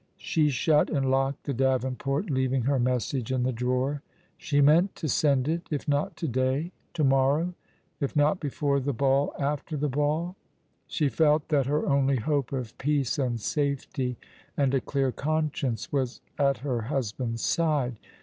She shut and locked the davenport, leaving her message in the drawer. She meant to £end it — if not to day, to morrow ; if not before the ball, after the ball. She felt that her only hope of peace and safety and a clear conscience was at her husband's side.